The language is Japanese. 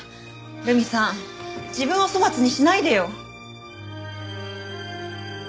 留美さん自分を粗末にしないでよ！